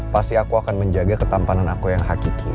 pasti aku akan menjaga ketampanan aku yang hakiki